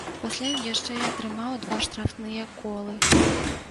Пасля ён яшчэ і атрымаў два штрафныя колы.